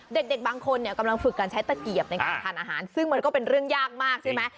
เด็กบางคนเนี่ยกำลังฝึกการใช้ตะเกียบในการทานอาหารซึ่งมันก็เป็นเรื่องยากมากใช่ไหม